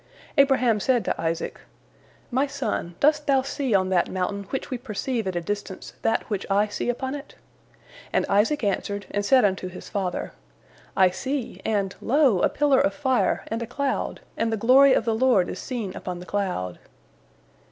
Abraham said to Isaac, "My son, dost thou see on that mountain which we perceive at a distance that which I see upon it?" And Isaac answered, and said unto his father, "I see, and, lo, a pillar of fire and a cloud, and the glory of the Lord is seen upon the cloud."